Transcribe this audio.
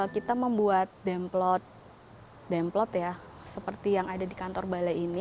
kita membuat demplot ya seperti yang ada di kantor balai ini